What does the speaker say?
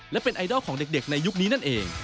และเป็นไอดอลของเด็กในยุคนี้นั่นเอง